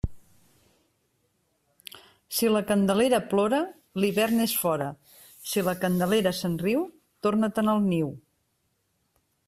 Si la Candelera plora, l'hivern és fora; si la Candelera se'n riu, torna-te'n al niu.